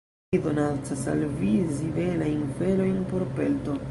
Mi donacas al vi zibelajn felojn por pelto!